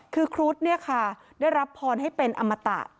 คือค์รุตได้รับพรให้เป็นอัมตะ